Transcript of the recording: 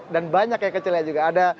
dan banyak yang kecele juga anggot